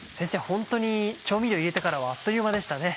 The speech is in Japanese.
ホントに調味料を入れてからはあっという間でしたね。